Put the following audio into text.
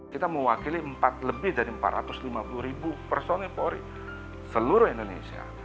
kita mewakili lebih dari empat ratus lima puluh ribu personil polri seluruh indonesia